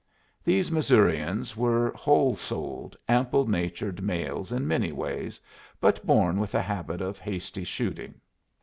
These Missourians were whole souled, ample natured males in many ways, but born with a habit of hasty shooting.